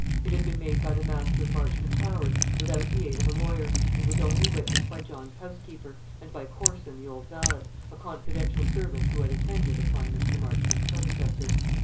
It had been made by the master of Marchmont Towers without the aid of a lawyer, and was only witnessed by John's housekeeper, and by Corson the old valet, a confidential servant who had attended upon Mr. Marchmont's predecessor.